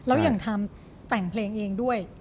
อ่าแล้วยังทำแต่งเพลงเองด้วย